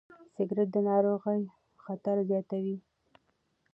سګرېټ د ناروغیو خطر زیاتوي.